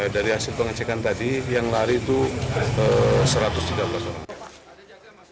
dari hasil pengecekan tadi yang lari itu satu ratus tiga belas orang